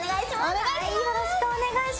よろしくお願いします。